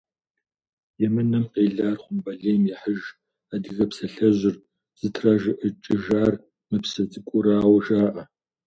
«Емынэм къелар хъумбылейм ехьыж» адыгэ псалъэжьыр зытражыӀыкӀыжар мы псы цӀыкӀурауэ жаӀэ.